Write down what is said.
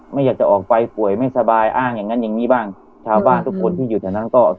ไม่อยากจะออกไปป่วยไม่สบายอ้างอย่างงั้นอย่างงี้บ้างชาวบ้านทุกคนที่อยู่แถวนั้นก็